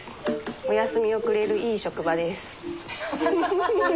お休みをくれるいい職場です。